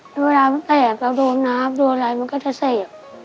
แล้วเวลามันแตกเราโดนน้ำโดนอะไรมันก็จะเสพ